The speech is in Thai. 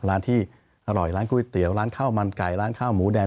ร้านที่อร่อยร้านก๋วยเตี๋ยวร้านข้าวมันไก่ร้านข้าวหมูแดง